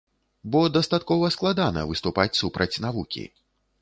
Бо дастаткова складана выступаць супраць навукі.